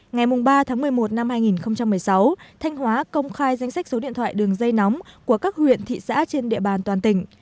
ngày ba một mươi một năm hai nghìn một mươi sáu thanh hóa công khai danh sách số điện thoại đường dây nóng của các huyện thị xã trên địa bàn toàn tỉnh